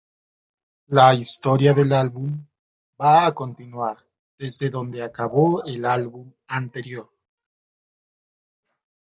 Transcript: La historia del álbum va a continuar desde donde acabó el álbum anterior.